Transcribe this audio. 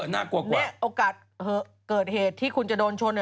น่ากลัวกว่าเนี่ยโอกาสเกิดเหตุที่คุณจะโดนชน